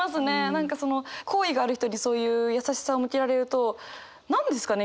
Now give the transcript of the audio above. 何かその好意がある人にそういう優しさを向けられると何ですかね？